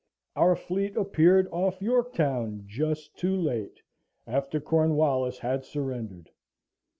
Our fleet appeared off York Town just too late, after Cornwallis had surrendered.